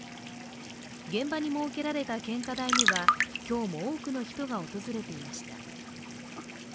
現場に設けられた献花台には、今日も多くの人が訪れていました。